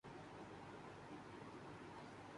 صورت حال آج بھی وہی ہے۔